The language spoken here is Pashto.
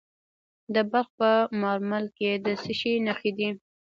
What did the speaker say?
د بلخ په مارمل کې د څه شي نښې دي؟